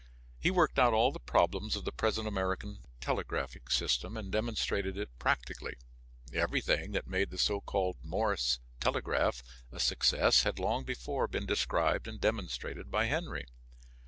He worked out all the problems of the present American telegraphic system and demonstrated it practically. Everything that made the so called Morse telegraph a success had long before been described and demonstrated by Henry.